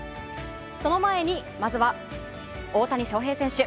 その前にまずは大谷翔平選手。